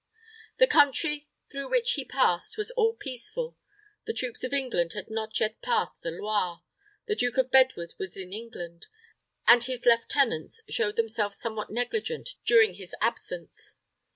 The country through which he passed was all peaceful: the troops of England had not yet passed the Loire; the Duke of Bedford was in England, and his lieutenants showed themselves somewhat negligent during his absence.